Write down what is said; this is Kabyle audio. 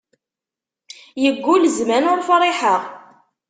Yeggul zzman ur friḥeɣ.